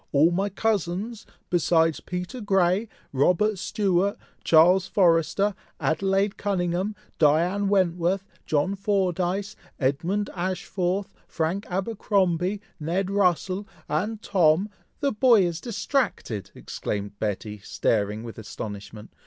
all my cousins, besides Peter Grey, Robert Stewart, Charles Forrester, Adelaide Cunninghame, Diana Wentworth, John Fordyce, Edmund Ashford, Frank Abercromby, Ned Russel, and Tom " "The boy is distracted!" exclaimed Betty, staring with astonishment.